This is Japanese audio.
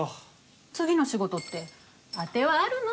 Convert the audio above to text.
次の仕事って当てはあるの？